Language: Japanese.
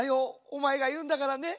おまえがいうんだからね。